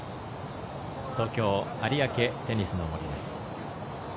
東京、有明テニスの森です。